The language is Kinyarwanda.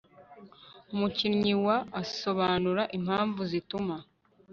Umukinnyi wa asobanura impamvu zituma